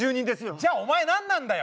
じゃあお前何なんだよ！